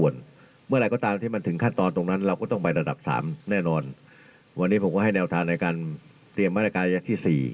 เราก็ก็ให้แนวทันในการเตรียมมาตรการระยะที่ศรี